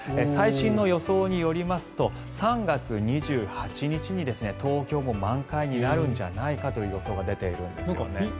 最新の予想によりますと３月２８日に東京も満開になるんじゃないかという予想が出ているんですね。